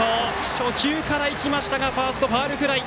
初球からいきましたがファーストへのファウルフライ。